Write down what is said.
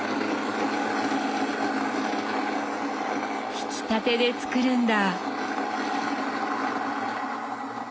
ひきたてで作るんだ！